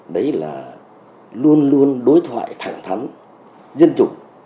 đấy là luôn luôn đối thoại thẳng thắn dân chủ